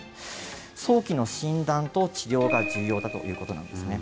早期の診断と治療が重要だということなんですね。